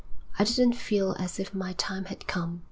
I didn't feel as if my time had come.'